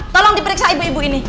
tolong diperiksa ibu ibu ini